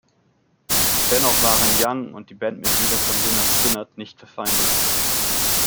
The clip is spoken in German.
Dennoch waren Young und die Bandmitglieder von Lynyrd Skynyrd nicht verfeindet.